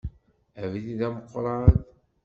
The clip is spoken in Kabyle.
Abrid ameqqran.